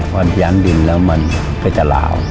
เพราะย้านดินแล้วมันก็จะหล่าว